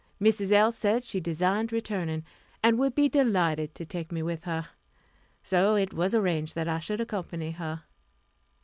Mrs. L. said she designed returning, and would be delighted to take me with her; so it was arranged that I should accompany her.